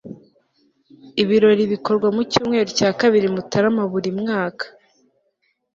ibirori bikorwa mucyumweru cya kabiri mutarama buri mwaka